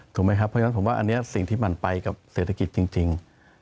ถูกไหมครับเพราะฉะนั้นผมว่าอันนี้สิ่งที่มันไปกับเศรษฐกิจจริง